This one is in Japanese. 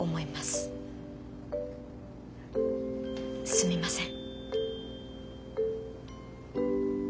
すみません。